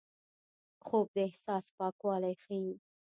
خوب د احساس پاکوالی ښيي